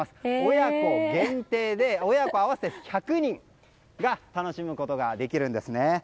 親子限定で親子合わせて１００人が楽しむことができるんですね。